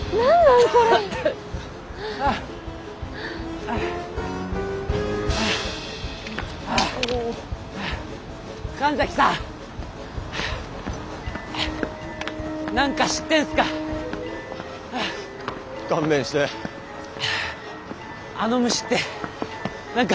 何知ってんすか？